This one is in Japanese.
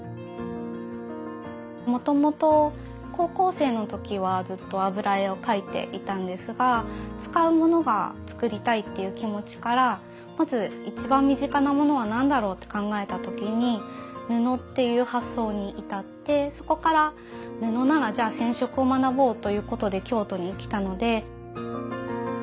もともと高校生の時はずっと油絵を描いていたんですが使うものが作りたいっていう気持ちからまず一番身近なものは何だろうって考えた時に布っていう発想に至ってそこから布ならじゃあ染色を学ぼうということで京都に来たので。